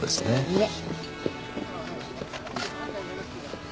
いや。